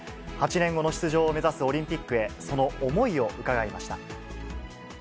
８年後の出場を目指すオリンピックへ、その思いを伺いました。